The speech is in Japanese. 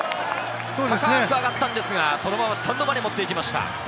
高く上がったんですが、そのままスタンドまで持っていきました。